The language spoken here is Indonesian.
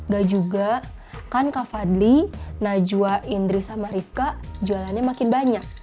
gak juga kan kak fadli najwa indri sama rifka jualannya makin banyak